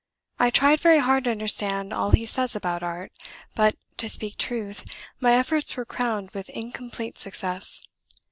I tried very hard to understand all he says about art; but, to speak truth, my efforts were crowned with incomplete success.